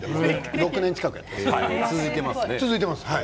６年近く続いています。